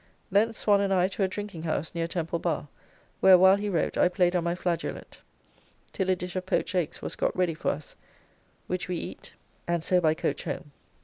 Thence Swan and I to a drinking house near Temple Bar, where while he wrote I played on my flageolet till a dish of poached eggs was got ready for us, which we eat, and so by coach home.